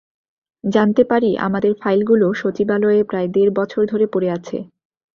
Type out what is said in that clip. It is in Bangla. জানতে পারি, আমাদের ফাইলগুলো সচিবালয়ে প্রায় দেড় বছর ধরে পড়ে আছে।